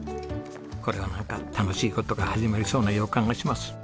これはなんか楽しい事が始まりそうな予感がします。